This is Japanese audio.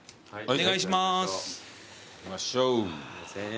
お願いします。